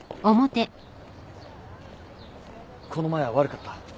この前は悪かった。